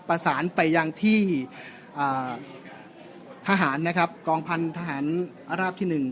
ประสานไปยังที่ทหารนะครับกองพันธหารราบที่๑